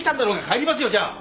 帰りますよじゃあ。